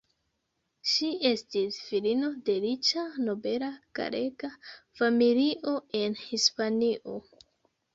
Ŝi estis filino de riĉa nobela galega familio en Hispanio.